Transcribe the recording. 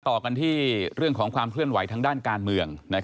ต่อกันที่เรื่องของความเคลื่อนไหวทางด้านการเมือง